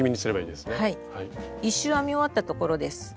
１周編み終わったところです。